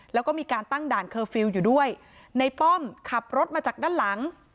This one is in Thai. แล้วก็มีการตั้งด่านเคอร์ฟิลล์อยู่ด้วยในป้อมขับรถมาจากด้านหลัง